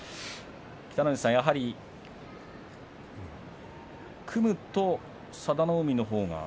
北の富士さん、組むと佐田の海のほうが。